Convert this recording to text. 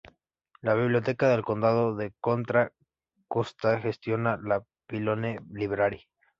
La Biblioteca del Condado de Contra Costa gestiona la Pinole Library.